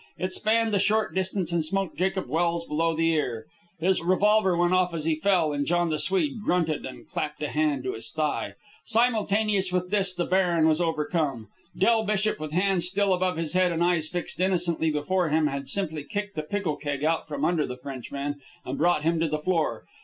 It spanned the short distance and smote Jacob Welse below the ear. His revolver went off as he fell, and John the Swede grunted and clapped a hand to his thigh. Simultaneous with this the baron was overcome. Del Bishop, with hands still above his head and eyes fixed innocently before him, had simply kicked the pickle keg out from under the Frenchman and brought him to the floor.